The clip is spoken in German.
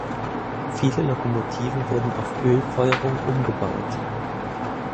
Viele Lokomotiven wurden auf Ölfeuerung umgebaut.